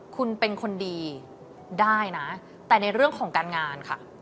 คุณเป็นคนดีได้นะแต่ในเรื่องของการงานค่ะ